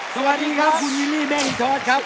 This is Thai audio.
สวัสดีครับคุณยิมีแม่หินท้อสครับ